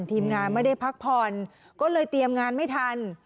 ทีมงานไม่ได้พักผ่อนก็เลยเตรียมงานไม่ทัน